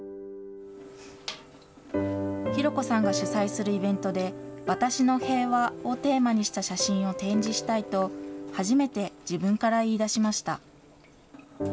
紘子さんが主催するイベントで、私のへいわをテーマにした写真を展示したいと、初めて自分から言いだしました。